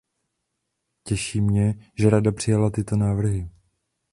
Těší mě, že Rada přijala tyto návrhy.